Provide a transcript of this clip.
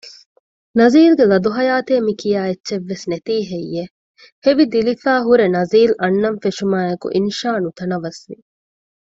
ނަޒީލްގެ ލަދު ހަޔާތޭ މިކިޔާ އެއްޗެއްވެސް ނެތީ ހެއްޔެވެ؟ ހެވިދިލިފައި ހުރެ ނަޒީލް އަންނަން ފެށުމާއެކު އިންޝާ ނުތަނަވަސްވި